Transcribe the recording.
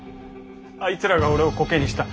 あいつらが俺をコケにした。